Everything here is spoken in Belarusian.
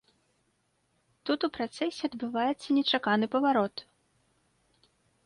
Тут у працэсе адбываецца нечаканы паварот.